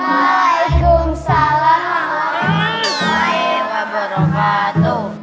waalaikumsalam warahmatullahi wabarakatuh